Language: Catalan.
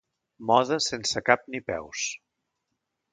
Modes sense cap ni peus.